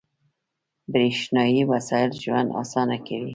• برېښنايي وسایل ژوند اسانه کوي.